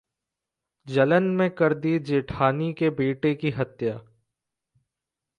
जलन में कर दी जेठानी के बेटे की हत्या